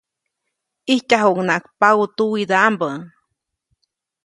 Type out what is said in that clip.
ʼIjtyajuʼucnaʼajk paʼutuwidaʼmbä.